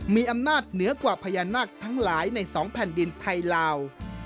มีอำนาจเหนือกว่าพญานาคทั้งหลายใน๒แผ่นดินไทยลาว